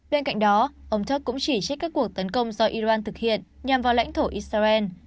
bên cạnh đó ông trump cũng chỉ trích các cuộc tấn công do iran thực hiện nhằm vào lãnh thổ israel